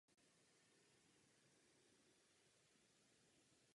V poslední verzi přehrávače si mohou uživatelé vybrat používání externího přehrávače.